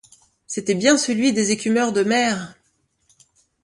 C’était bien celui des écumeurs de mer!